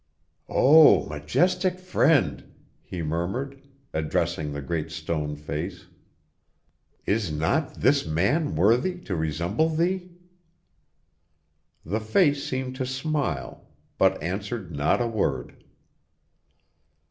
'O majestic friend,' he murmured, addressing the Great Stone Face, 'is not this man worthy to resemble thee?' The face seemed to smile, but answered not a word.